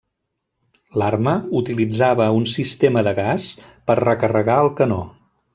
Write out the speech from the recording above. L'arma utilitzava un sistema de gas per a recarregar el canó.